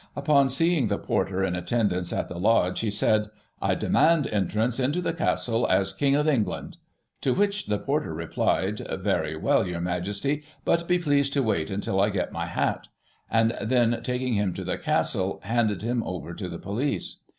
Upon seeing the porter in attendance < at the lodge, he said :" I demand entrance into the Castle as King of England "; to which the porter replied :" Very well, yoUr Majesty, but be pleased to wait until I get my hat," and then taking him to the Castle, handed him over to the police.